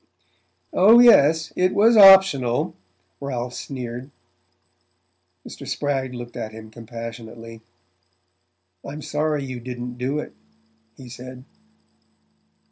"Oh, yes it was optional," Ralph sneered. Mr. Spragg looked at him compassionately. "I'm sorry you didn't do it," he said.